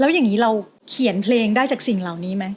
แล้วอย่างนี้เราเขียนเพลงได้จากสิ่งเหล่านี้ไหม